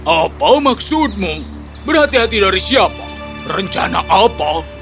apa maksudmu berhati hati dari siapa rencana apa